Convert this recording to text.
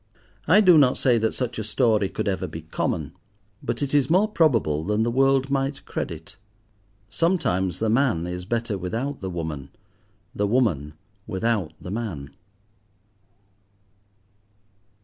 I do not say that such a story could ever be common, but it is more probable than the world might credit. Sometimes the man is better without the woman, the woman without the man.